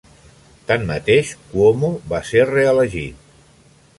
Tanmateix, Cuomo va ser reelegit.